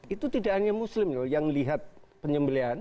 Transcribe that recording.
itu tidak hanya muslim yang melihat penyembelahan